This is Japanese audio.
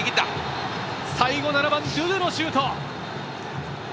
最後、７番、ドゥドゥのシュート。